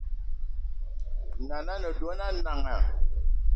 Nan’na a ne dona Nanga